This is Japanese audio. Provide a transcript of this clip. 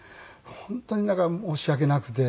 本当にだから申し訳なくて。